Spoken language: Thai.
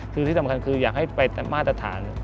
คือที่สำคัญคืออยากให้ไปมาตรฐาน